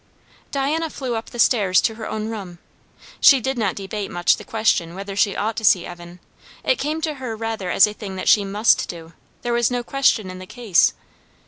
Diana flew up the stairs to her own room. She did not debate much the question whether she ought to see Evan; it came to her rather as a thing that she must do; there was no question in the case.